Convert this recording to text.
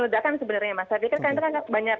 ledakan sebenarnya mas saya pikir karena itu kan banyak